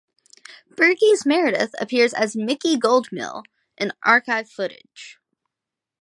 Burgess Meredith appears as Mickey Goldmill in archive footage.